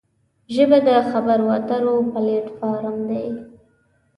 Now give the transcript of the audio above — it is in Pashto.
ژبه د خبرو اترو پلیټ فارم دی